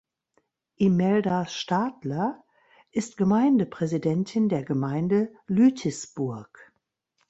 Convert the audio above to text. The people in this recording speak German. Imelda Stadler ist Gemeindepräsidentin der Gemeinde Lütisburg.